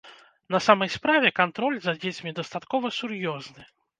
На самай справе кантроль за дзецьмі дастаткова сур'ёзны.